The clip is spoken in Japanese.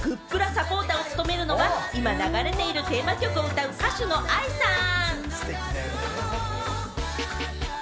そしてグップラサポーターを務めるのは今、流れているテーマ曲を歌う歌手のＡＩさん。